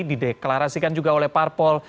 dideklarasikan juga oleh parpol